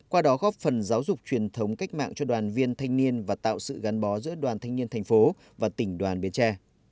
qua đó góp phần giáo dục truyền thống cách mạng cho đoàn viên thanh niên và tạo sự gắn bó giữa đoàn thanh niên thành phố và tỉnh đoàn bến tre